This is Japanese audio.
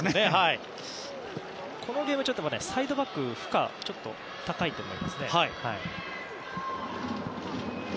このゲームサイドバックの負荷がちょっと高いと思いますね。